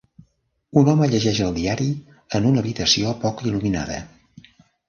Un home llegeix el diari en una habitació poc il·luminada.